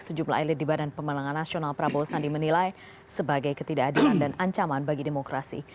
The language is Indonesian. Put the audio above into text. sejumlah elit di badan pemenangan nasional prabowo sandi menilai sebagai ketidakadilan dan ancaman bagi demokrasi